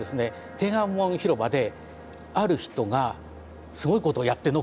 天安門広場である人がすごいことをやってのけたんですね。